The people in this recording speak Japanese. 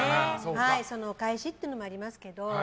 そのお返しってのもありますけど。